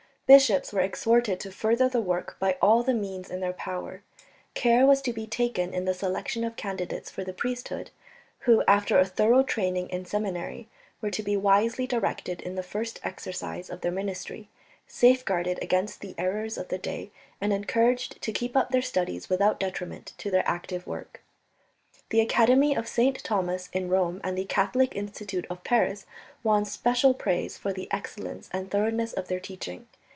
Bishops were exhorted to further the work by all the means in their power; care was to be taken in the selection of candidates for the priesthood, who, after a thorough training in the seminary, were to be wisely directed in the first exercise of their ministry, safeguarded against the errors of the day, and encouraged to keep up their studies without detriment to their active work. The Academy of St. Thomas in Rome and the Catholic Institute of Paris won special praise for the excellence and thoroughness of their teaching.